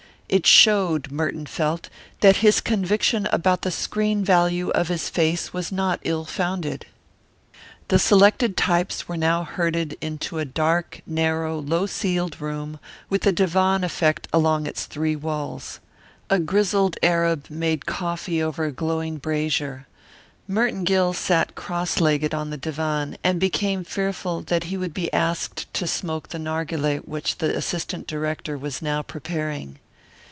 It showed, Merton felt, that his conviction about the screen value of his face was not ill founded. The selected types were now herded into a dark, narrow, low ceiled room with a divan effect along its three walls. A grizzled Arab made coffee over a glowing brazier. Merton Gill sat cross legged on the divan and became fearful that he would be asked to smoke the narghileh which the assistant director was now preparing.